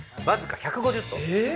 わずか１５０頭。